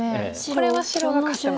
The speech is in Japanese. これは白が勝ってます。